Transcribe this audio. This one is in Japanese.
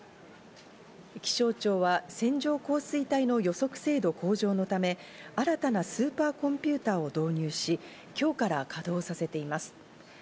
気象庁は線状降水帯の予測精度向上のため、新たなスーパーコンピュータを導入し、今日から稼働させています。